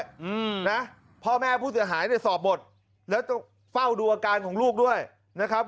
อืมนะพ่อแม่ผู้เสียหายเนี่ยสอบหมดแล้วต้องเฝ้าดูอาการของลูกด้วยนะครับ